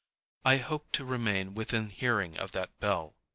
I hope to remain within hearing of that bell...